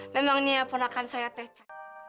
memangnya pernahkan saya teca